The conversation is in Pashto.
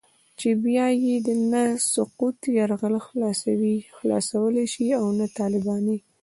چې بيا يې نه سقوي يرغل خلاصولای شي او نه طالباني.